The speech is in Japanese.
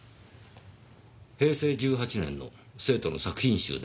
平成１８年の生徒の作品集ですか。